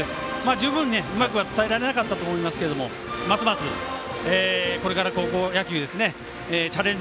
十分、うまくは伝えられなかったとは思いますけどもますます、これから高校野球チャレンジ